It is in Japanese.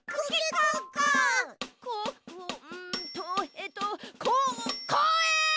こうんとえとここうえん！